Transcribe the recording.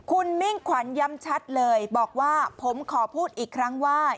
คุณมิ่งขวัญย้ำชัดเลยบอกว่าผมขอพูดอีกครั้งว่า